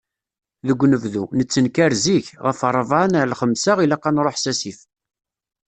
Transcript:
Deg unebdu, nettenkar zik, ɣef rrebɛa neɣ lxemsa, ilaq ad nṛuḥ s asif.